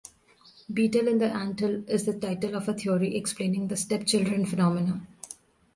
"Beetle in the Anthill" is the title of a theory explaining the Stepchildren phenomenon.